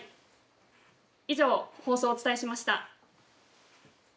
以上、放送をお伝えしました。